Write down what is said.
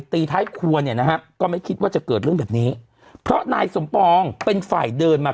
ตีท้ายครัวเนี่ยนะฮะก็ไม่คิดว่าจะเกิดเรื่องแบบนี้เพราะนายสมปองเป็นฝ่ายเดินมา